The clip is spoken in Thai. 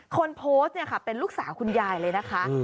คนโพสต์เป็นลูกสาวคุณยายเลยนะคะ